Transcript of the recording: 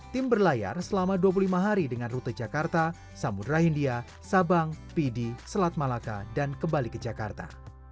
tim berlayar selama dua puluh lima hari dengan rute jakarta samudera hindia sabang pidi selat malaka dan kembali ke jakarta